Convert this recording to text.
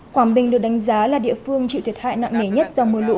quảng bình được đánh giá là địa phương chịu thiệt hại nặng nề nhất do mưa lũ